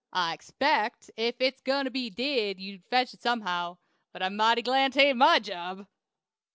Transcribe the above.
"I expect, if it's got to be did, you'll fetch it somehow. But I'm mighty glad 'tain't my job!"